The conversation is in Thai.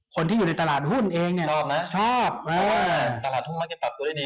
คนที่อยู่ในตลาดหุ้นเองเนี่ยชอบนะชอบเพราะว่าตลาดหุ้นมักจะปรับตัวได้ดี